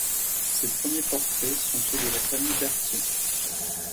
Ses premiers portraits sont ceux de la famille Berthier.